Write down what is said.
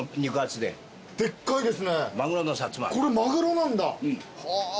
これマグロなんだ。